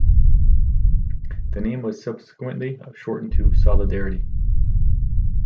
The name was subsequently shortened to "Solidarity".